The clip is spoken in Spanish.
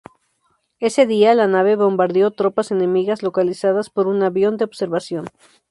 Ese día la nave bombardeó tropas enemigas localizadas por un avión de observación.